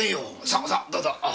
サどうぞ。